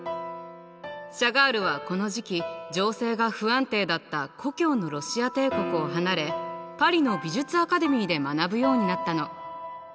シャガールはこの時期情勢が不安定だった故郷のロシア帝国を離れパリの美術アカデミーで学ぶようになったの。